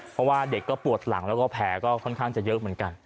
เพราะว่าเด็กก็ปวดหลังแล้วก็แผลก็ค่อนข้างจะเยอะเหมือนกัน